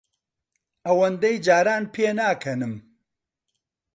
ئەوەندەی جاران پێناکەنم.